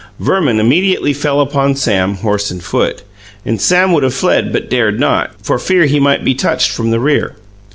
Verman immediately fell upon Sam, horse and foot, and Sam would have fled but dared not, for fear he might be touched from the rear.